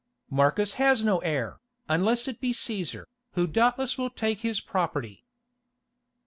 "Marcus has no heir, unless it be Cæsar, who doubtless will take his property."